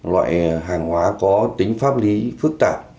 loại hàng hóa có tính pháp lý phức tạp